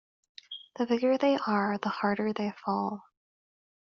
The bigger they are the harder they fall.